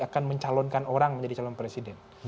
akan mencalonkan orang menjadi calon presiden